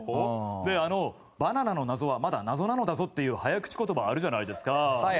で、バナナの謎はまだ謎なのだぞっていう早口言葉あるじゃないですか。